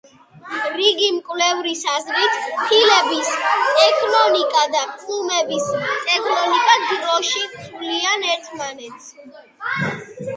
რიგი მკვლევრის აზრით, ფილების ტექტონიკა და პლუმების ტექტონიკა დროში ცვლიან ერთმანეთს.